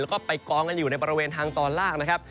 แล้วก็ไปกองกันอยู่ในบริเวณทางตอนล่างนะครับ